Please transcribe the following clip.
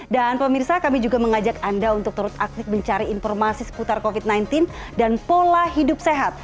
dan pemirsa kami juga mengajak anda untuk terus aktif mencari informasi seputar covid sembilan belas dan pola hidup sehat